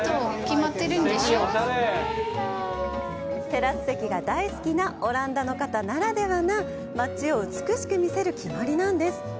テラス席が大好きなオランダの方ならではな街を美しく見せる決まりなんです！